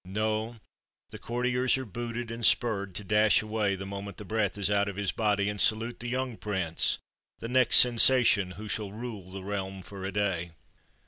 No; the courtiers are booted and spurred to dash away the moment the breath is out of his body and salute the young Prince, the next Sensation, who shall rule the realm for a day.